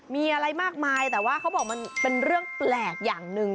มีอะไรมากมายแต่ว่าเขาบอกมันเป็นเรื่องแปลกอย่างหนึ่ง